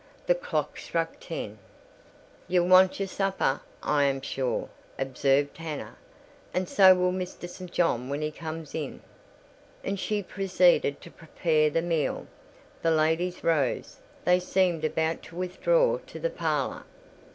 The clock struck ten. "Ye'll want your supper, I am sure," observed Hannah; "and so will Mr. St. John when he comes in." And she proceeded to prepare the meal. The ladies rose; they seemed about to withdraw to the parlour.